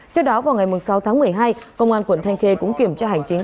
trước đó vào ngày sáu tháng một mươi hai công an quận thanh khê cũng kiểm tra hành chính